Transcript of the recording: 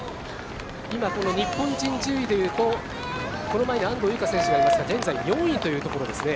今、この日本人順位でいうとこの前に安藤友香選手がいますが現在４位というところですね。